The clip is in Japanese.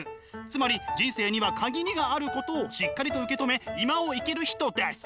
つまり人生には限りがあることをしっかりと受け止め今を生きる人です。